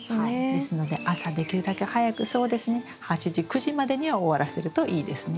ですので朝できるだけ早くそうですね８時９時までには終わらせるといいですね。